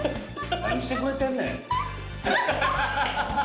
何してくれてんねん。